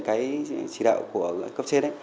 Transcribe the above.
chỉ đạo của cấp trên